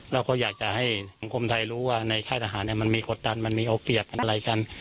และเขาอยากจะให้ความคุมไทยรู้ว่าในไข้ทหารมันมีกฎตันมันมีโอเปียบมันอะไรกัน